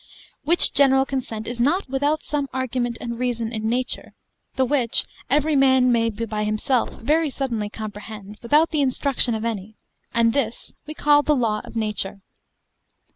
Which general consent is not without some argument and reason in nature, the which every man may by himself very suddenly comprehend, without the instruction of any and this we call the law of nature.